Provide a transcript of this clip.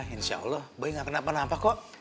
insya allah boy gak kena apa apa kok